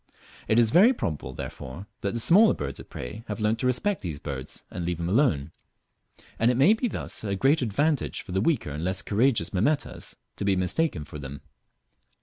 It is very probable, therefore, that the smaller birds of prey have learnt to respect these birds and leave them alone, and it may thus be a great advantage for the weaker and less courageous Mimetas to be mistaken for them.